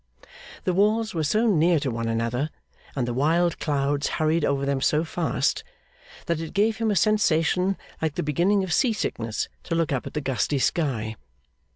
The walls were so near to one another, and the wild clouds hurried over them so fast, that it gave him a sensation like the beginning of sea sickness to look up at the gusty sky.